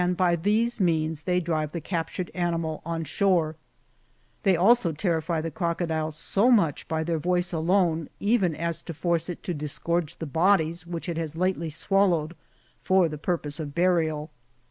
by these means they drive the captured animal on shore. They also terrify the crocodile so much by their voice alone even, as to force it to disgorge the bodies which it has lately swallowed, for the pui'pose of burial.